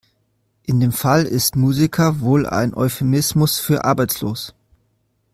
In dem Fall ist Musiker wohl ein Euphemismus für arbeitslos.